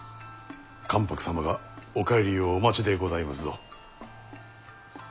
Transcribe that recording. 関白様がお帰りをお待ちでございますぞ。